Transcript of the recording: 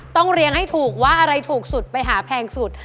ต้องเรียงให้ถูกว่าอะไรถูกสุดไปหาแพงสุด